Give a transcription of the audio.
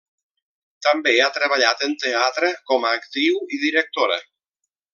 També ha treballat en teatre, com a actriu i directora.